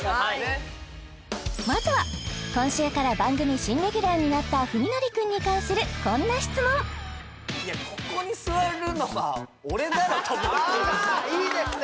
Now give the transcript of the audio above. まずは今週から番組新レギュラーになった史記くんに関するこんな質問あいいですね